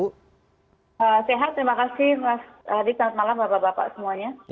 sehat terima kasih mas adi selamat malam bapak bapak semuanya